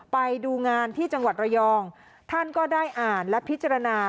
ไปดูงานที่จังหวัดระยองท่านก็ได้อ่านและพิจารณา